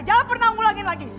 jangan pernah mengulangin lagi